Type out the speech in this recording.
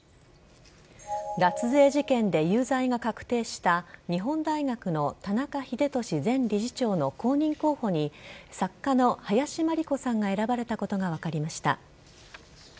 脱税事件で有罪が確定した日本大学の田中英寿前理事長の後任候補に作家の林真理子さんが選ばれたことが分かりました。